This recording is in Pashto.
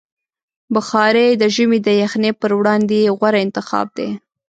بخاري د ژمي د یخنۍ پر وړاندې غوره انتخاب دی.